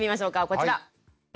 こちら！